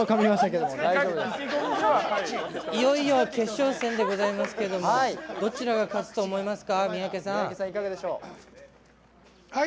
いよいよ決勝戦ですけどどちらが勝つと思いますか？